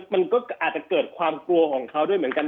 มันก็อาจจะเกิดความกลัวของเขาด้วยเหมือนกัน